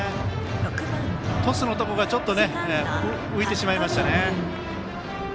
トスのところがちょっと浮いてしまいましたね。